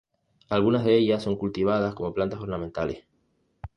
Algunas de ellas son cultivadas como plantas ornamentales.